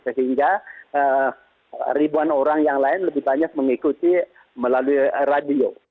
sehingga ribuan orang yang lain lebih banyak mengikuti melalui radio